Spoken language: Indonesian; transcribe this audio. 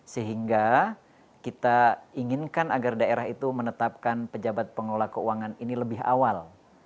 sehingga kita inginkan agar daerah itu menetapkan pejabat pengelola keuangan ini lebih awal